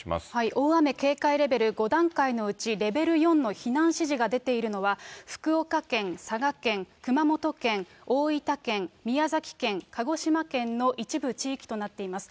大雨警戒レベル５段階のうち、レベル４の避難指示が出ているのは、福岡県、佐賀県、熊本県、大分県、宮崎県、鹿児島県の一部地域となっています。